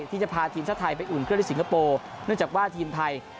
ที่จะพาทีมชาติไทยไปอุ่นเครื่องที่สิงคโปร์เนื่องจากว่าทีมไทย